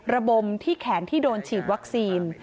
ระบมที่แขนที่โดนฉีดวัคซีน